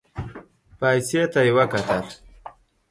پايڅې ته يې وکتل.